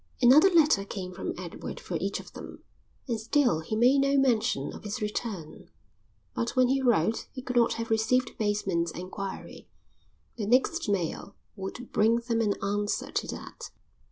Another letter came from Edward for each of them, and still he made no mention of his return; but when he wrote he could not have received Bateman's enquiry. The next mail would bring them an answer to that.